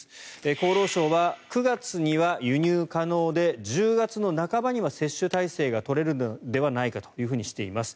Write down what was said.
厚労省は９月には輸入可能で１０月半ばには接種体制が取れるのではないかとしています。